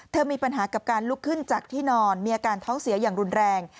มีปัญหากับการลุกขึ้นจากที่นอนมีอาการท้องเสียอย่างรุนแรง